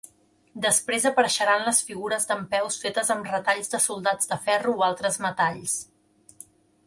Després apareixeran les figures dempeus fetes amb retalls de soldats de ferro o altres metalls.